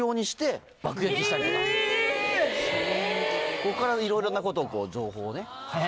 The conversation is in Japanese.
ここからいろいろなことをこう情報をね。